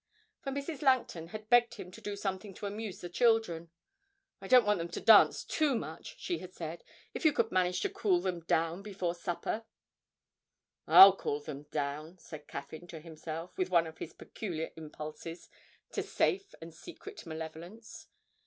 For Mrs. Langton had begged him to do something to amuse the children. 'I don't want them to dance too much,' she had said. 'If you could manage to cool them down before supper.' 'I'll cool them down!' said Caffyn to himself, with one of his peculiar impulses to safe and secret malevolence.